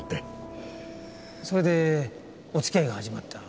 それでお付き合いが始まった。